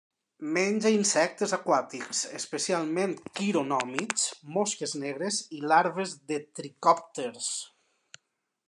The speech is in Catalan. Menja insectes aquàtics, especialment quironòmids, mosques negres i larves de tricòpters.